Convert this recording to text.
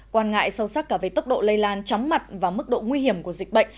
quan ngại sâu sắc cả về tốc độ lây lan chóng mặt và mức độ nguy hiểm của dịch bệnh